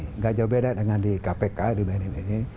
tidak jauh beda dengan di kpk di bnn ini